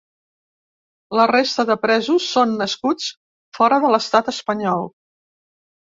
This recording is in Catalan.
La resta de presos són nascuts fora de l’estat espanyol.